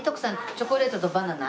チョコレートとバナナ？